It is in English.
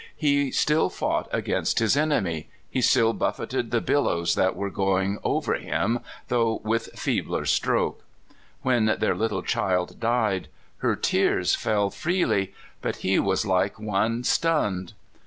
He still fought against his enemy ; he still buffeted the billows that were going over him, though with feebler stroke. When their little child died, her tears fell freely, but he was like one stunned.